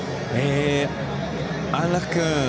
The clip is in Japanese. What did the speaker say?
安楽君